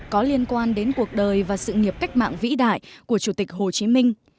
có liên quan đến cuộc đời và sự nghiệp cách mạng vĩ đại của chủ tịch hồ chí minh